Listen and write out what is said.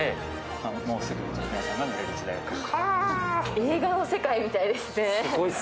映画の世界みたいですね。